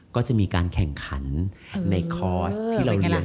ก็จะมีการแข่งขันในคอร์สที่เราเรียน